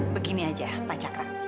begini aja pacar